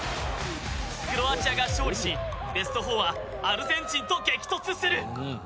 クロアチアが勝利し、ベスト４はアルゼンチンと激突する。